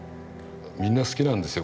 みんな好きなんですよ